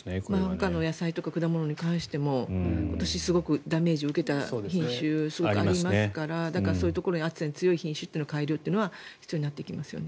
ほかの野菜とか果物に関しても今年はすごくダメージを受けた品種がありますからそういうところ、暑さに強い品種の改良というのは必要になってきますね。